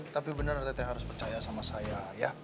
tapi beneran teh harus percaya sama saya ya